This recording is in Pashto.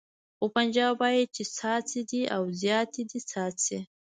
خو پنجاب وایي چې څاڅي دې او زیاته دې څاڅي.